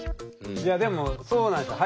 いやでもそうなんですよ。